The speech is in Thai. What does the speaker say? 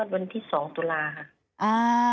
วันที่๒ตุลาค่ะ